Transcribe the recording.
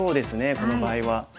この場合は。